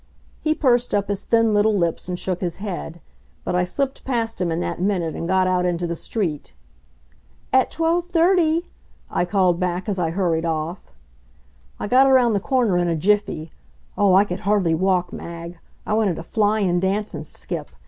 He pursed up his thin little lips and shook his head. But I slipped past him in that minute and got out into the street. "At twelve thirty," I called back as I hurried off. I got around the corner in a jiffy. Oh, I could hardly walk, Mag! I wanted to fly and dance and skip.